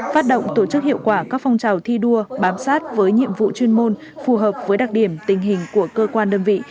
phát động tổ chức hiệu quả các phong trào thi đua bám sát với nhiệm vụ chuyên môn phù hợp với đặc điểm tình hình của cơ quan đơn vị